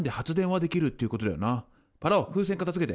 パラオ風船片づけて。